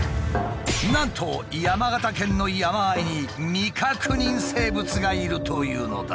なんと山形県の山あいに未確認生物がいるというのだ。